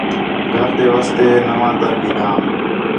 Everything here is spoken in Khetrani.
گھر تے واسطے نَواں دَر گِھدم